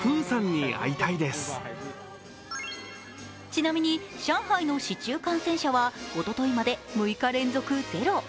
ちなみに上海の市中感染者はおとといまで６日連続ゼロ。